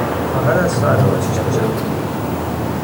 فقط از ساعت مچیش خوشم نمیاد